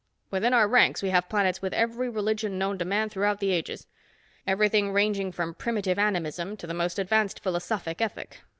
"Within our ranks we have planets with every religion known to man throughout the ages. Everything ranging from primitive animism to the most advanced philosophic ethic.